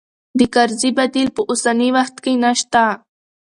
د کرزي بديل په اوسني وخت کې نه شته.